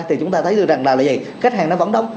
thì chúng ta thấy được rằng là là vậy khách hàng nó vẫn đông